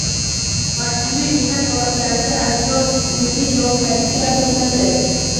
Majburiy mehnat holatlarida aybdorlar ma'muriy javobgarlikka tortildi